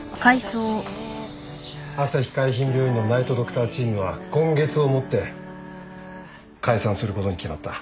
あさひ海浜病院のナイト・ドクターチームは今月をもって解散することに決まった